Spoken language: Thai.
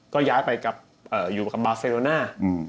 ก็ย้ายไปอยู่กับบาเซโลน่า